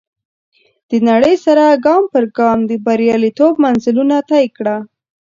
د نړۍ سره ګام پر ګام د برياليتوب منزلونه طی کړه.